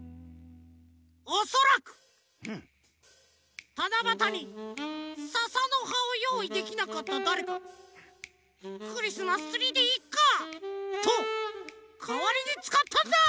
おそらくたなばたにささのはをよういできなかっただれかが「クリスマスツリーでいっか」とかわりにつかったんだ！